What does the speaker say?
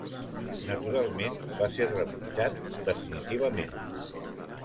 Naturalment va ser rebutjat definitivament.